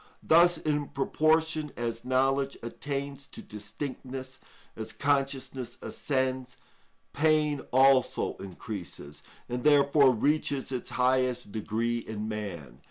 Thus, in proportion as knowledge attains to distinctness, as consciousness ascends, pain also increases, and therefore reaches its highest degree in man.